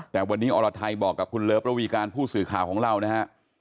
แต่วันนี้อรไทยบอกกับคุณเลิฟระวีการผู้สื่อข่าวของเรานะฮะ